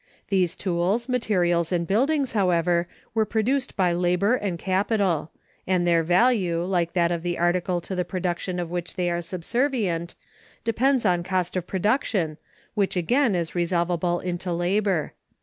These tools, materials, and buildings, however, were produced by labor and capital; and their value, like that of the article to the production of which they are subservient, depends on cost of production, which again is resolvable into labor.